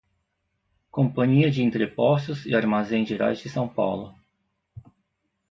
Companhia de Entrepostos e Armazéns Gerais de São Paulo